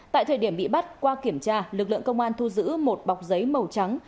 tại thời điểm bị bắt qua kiểm tra lực lượng công an thu giữ một bọc giấy màu trắng